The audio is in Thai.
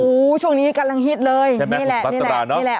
อู๋ช่วงนี้กำลังฮิตเลยนี่แหละ